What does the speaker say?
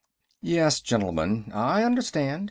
"Yes, gentlemen. I understand.